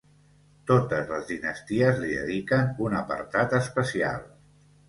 Totes les dinasties li dediquen un apartat especial.